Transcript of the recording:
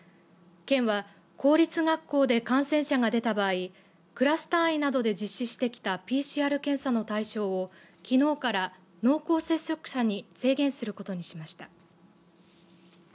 県は公立学校で感染者が出た場合クラス単位などで実施してきたＰＣＲ検査の対象をきのうから濃厚接触者に制限することにしました。